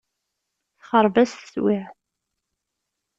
Texreb-as teswiɛt.